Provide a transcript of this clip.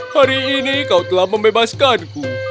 hari ini kau telah membebaskanku